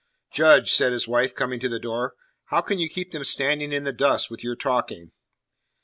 "Judge," said his wife, coming to the door, "how can you keep them standing in the dust with your talking?"